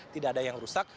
tidak ada yang rusak